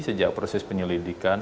sejak proses penyelidikan